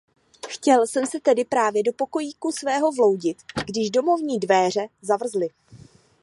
Chtěl jsem se tedy právě do pokojíku svého vloudit, když domovní dvéře zavrzly.